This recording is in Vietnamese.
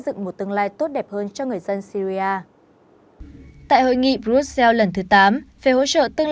dựng một tương lai tốt đẹp hơn cho người dân syria tại hội nghị brussels lần thứ tám về hỗ trợ tương